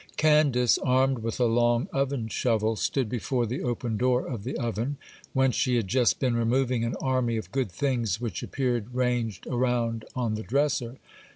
Candace, armed with a long oven shovel, stood before the open door of the oven, whence she had just been removing an army of good things which appeared ranged around on the dresser.